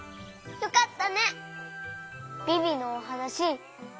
よかった！